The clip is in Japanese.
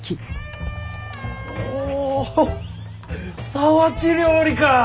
皿鉢料理か！